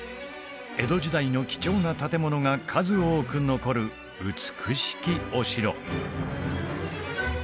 江戸時代の貴重な建物が数多く残る美しきお城